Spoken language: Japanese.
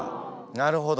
なるほど。